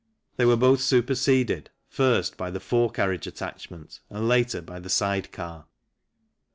They were both superseded, first by the fore carriage attachment and later by the side car.